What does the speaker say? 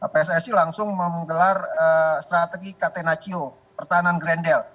pssi langsung menggelar strategi kt naccio pertahanan grendel